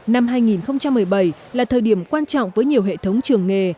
năm hai nghìn một mươi bảy là thời điểm quan trọng với nhiều hệ thống trường nghề